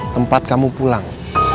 tempat kamu pulang